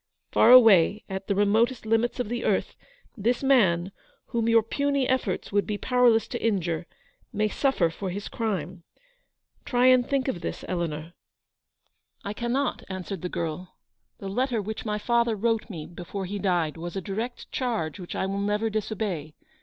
Far away at the remotest limits of the earth, this man, whom your puny efforts would be powerless to injure, may suffer for his crime. Try and think of this, Eleanor." li I cannot!' answered the girl. "The letter which my father wrote me before he died was a direct charge which I will never disobey.